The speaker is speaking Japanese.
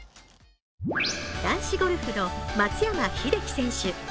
男子ゴルフの松山英樹選手。